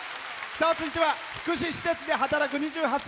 続いては福祉施設で働く２８歳。